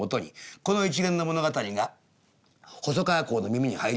この一連の物語が細川公の耳に入ります。